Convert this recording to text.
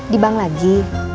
di bank lagi